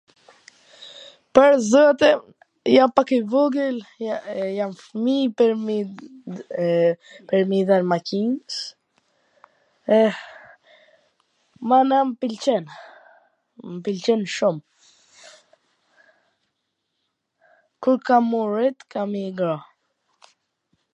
pwr zotin, jam pak i vogwl, jam fmij pwr me i dhwn makins, eh, manej m pwlqen, m pwlqen shum, ... kur kam m' u rrit, kam me i dhan